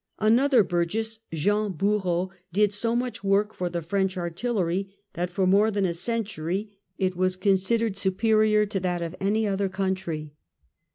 Another burgess, Jean Bureau, did so much work for the French artillery that, for more than a century, it was considered superior to that of any other country.